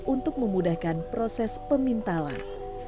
untuk memudahkan proses pemintalan